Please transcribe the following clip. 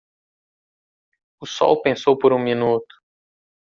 O sol pensou por um minuto.